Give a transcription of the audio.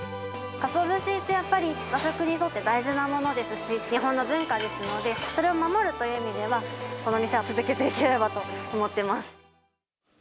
かつお節ってやっぱり、和食にとって大事なものですし、日本の文化ですので、それを守るという意味では、この店を続けていければと思ってます。